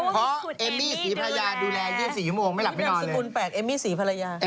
เพราะเอมมี่สีภรยาดูแลที่บอบ๔มไม่หลับคือนาม๐๐๐๘เอมมี่สีภรยา